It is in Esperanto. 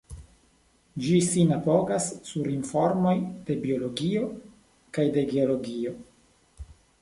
Ĝi sin apogas sur informoj de Biologio kaj de Geologio.